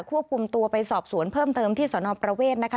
ควบคุมตัวไปสอบสวนเพิ่มเติมที่สนประเวทนะคะ